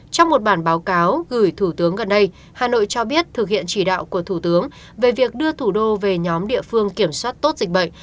trong một bản báo cáo gửi thủ tướng gần đây hà nội cho biết thực hiện chỉ đạo của thủ tướng về việc đưa thủ đô về nhóm địa phương kiểm soát tốt dịch bệnh